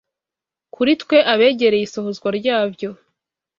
Kuri twe abegereye isohozwa ryabyo